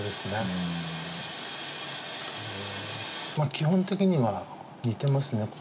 基本的には似てますね。